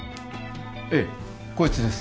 ええこいつです